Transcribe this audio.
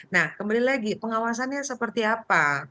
nah kembali lagi pengawasannya seperti apa